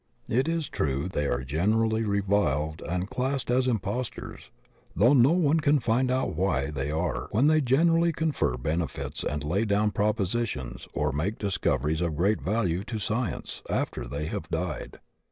It is true they are generally reviled and classed as impostors — though no one can find out why they are when they generally confer benefits and lay down propositions or make discoveries of great value to science after they have died.